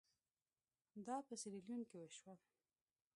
دا په سیریلیون کې وشول.